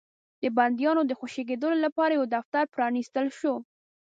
د بنديانو د خوشي کېدلو لپاره يو دفتر پرانيستل شو.